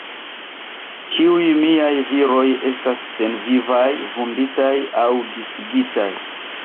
Ĉiuj miaj viroj estas senvivaj, vunditaj aŭ disigitaj.